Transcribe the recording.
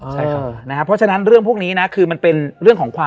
และวันนี้แขกรับเชิญที่จะมาเยี่ยมในรายการสถานีผีดุของเรา